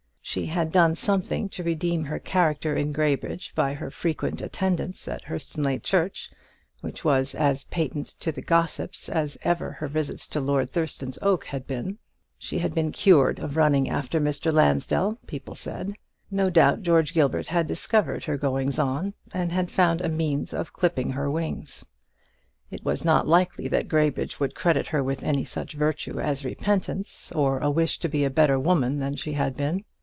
She had done something to redeem her character in Graybridge by her frequent attendance at Hurstonleigh church, which was as patent to the gossips as ever her visits to Lord Thurston's oak had been. She had been cured of running after Mr. Lansdell, people said. No doubt George Gilbert had discovered her goings on, and had found a means of clipping her wings. It was not likely that Graybridge would credit her with any such virtue as repentance, or a wish to be a better woman than she had been.